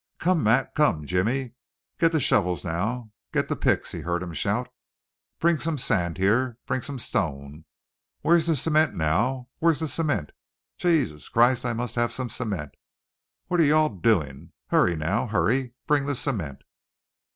"Come, Matt! Come, Jimmie! Get the shovels now! Get the picks!" he heard him shout. "Bring some sand here! Bring some stone! Where's the cement now? Where's the cement? Jasus Christ! I must have some cement. What arre ye all doing? Hurry now, hurry! Bring the cement."